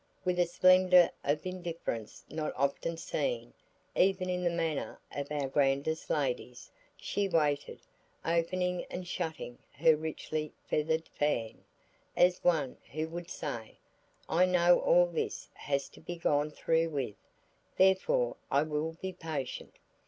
With a splendor of indifference not often seen even in the manner of our grandest ladies, she waited, opening and shutting her richly feathered fan, as one who would say, "I know all this has to be gone through with, therefore I will be patient."